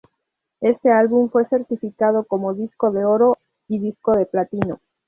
Este álbum fue certificado como "disco de oro" y "disco de platino".